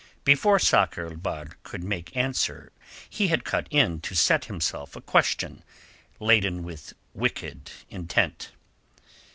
Before Sakr el Bahr could make answer he had cut in to set him a question laden with wicked intent.